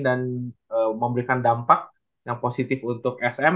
dan memberikan dampak yang positif untuk sm